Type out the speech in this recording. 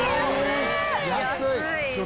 「安い」